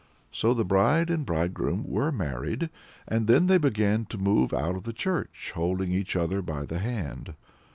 So the bride and bridegroom were married, and then they began to move out of the church, holding each other by the hand.